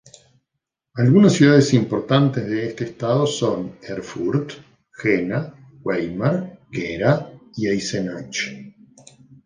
Algunas ciudades importantes de este estado son Erfurt, Jena, Weimar, Gera y Eisenach.